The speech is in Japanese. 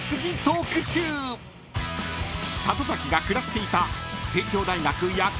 ［里崎が暮らしていた］